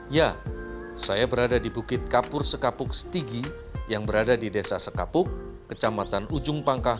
ya saya berada di bukit kapur sekapuk stigi yang berada di desa sekapuk kecamatan ujung pangkah